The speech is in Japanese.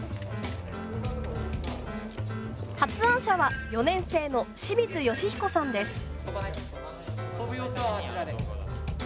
発案者は４年生の清水由彦さんです。